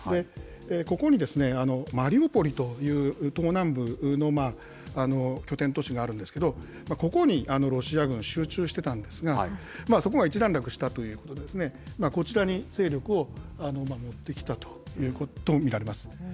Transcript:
ここにマリウポリという東南部の拠点都市があるんですけれども、ここにロシア軍、集中してたんですが、そこが一段落したということで、こちらに勢力を持ってきたと見られます。